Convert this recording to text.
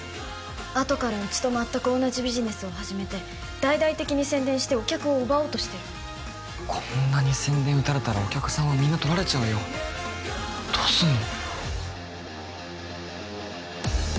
あとからうちと全く同じビジネスを始めて大々的に宣伝してお客を奪おうとしてるこんなに宣伝打たれたらお客さんはみんな取られちゃうよどうすんの？